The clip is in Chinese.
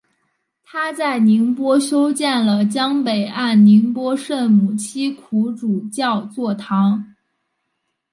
他在宁波修建了江北岸宁波圣母七苦主教座堂。